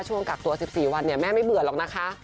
ช่วงกักตัว๑๔วันแม่ไม่เบื่อหรอกนะคะ